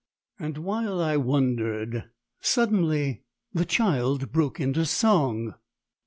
And while I wondered, suddenly the child broke into song!